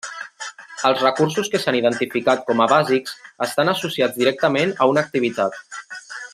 Els recursos que s'han identificat com a bàsics estan associats directament a una activitat.